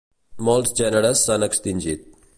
Molts gèneres s'han extingit.